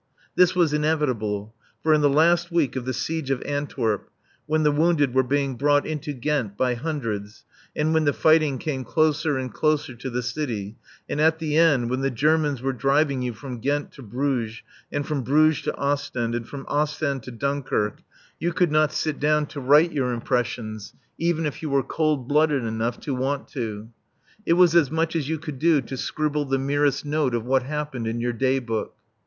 This was inevitable. For in the last week of the Siege of Antwerp, when the wounded were being brought into Ghent by hundreds, and when the fighting came closer and closer to the city, and at the end, when the Germans were driving you from Ghent to Bruges, and from Bruges to Ostend and from Ostend to Dunkirk, you could not sit down to write your impressions, even if you were cold blooded enough to want to. It was as much as you could do to scribble the merest note of what happened in your Day Book.